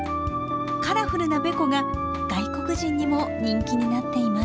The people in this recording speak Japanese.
カラフルなべこが外国人にも人気になっています。